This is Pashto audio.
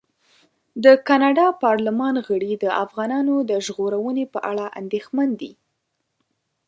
د کاناډا پارلمان غړي د افغانانو د ژغورنې په اړه اندېښمن دي.